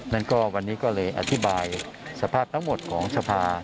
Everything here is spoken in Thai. นั่นก็วันนี้ก็เลยอธิบายสภาพทั้งหมดของสภา